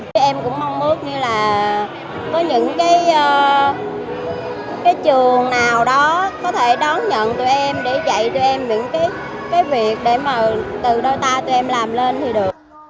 tụi em cũng mong mước như là có những cái trường nào đó có thể đón nhận tụi em để dạy tụi em những cái việc để mà từ đôi ta tụi em làm lên thì được